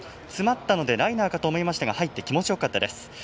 詰まったのでライナーかと思いましたが入って、気持ちよかったです。